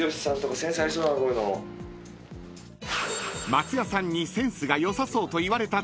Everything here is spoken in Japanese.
［松也さんにセンスが良さそうと言われた］